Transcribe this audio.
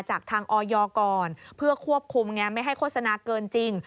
จากทางออยก่อนเพื่อควบคุมไงไม่ให้โฆษณาเกินจริง